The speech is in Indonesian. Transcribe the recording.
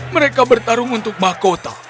mereka bertarung untuk mahkota